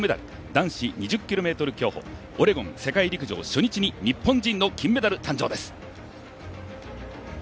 男子２０ｋｍ競歩、オレゴン世界陸上日本人の金メダル誕生です。